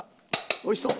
おいしそう！